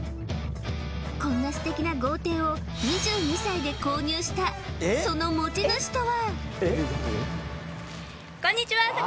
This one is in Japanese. こんな素敵な豪邸を２２歳で購入したその持ち主とは？